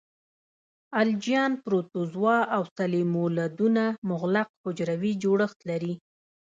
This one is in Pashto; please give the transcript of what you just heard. الجیان، پروتوزوا او سلیمولدونه مغلق حجروي جوړښت لري.